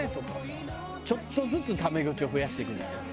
ちょっとずつタメ口を増やしていくんじゃない？